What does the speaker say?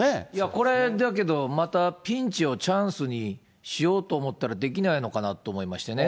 これ、だけどまた、ピンチをチャンスにしようと思ったらできないのかなと思いましてね。